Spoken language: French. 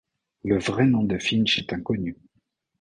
Le vrai nom de Finch est inconnu.